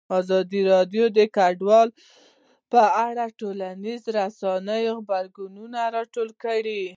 ازادي راډیو د کډوال په اړه د ټولنیزو رسنیو غبرګونونه راټول کړي.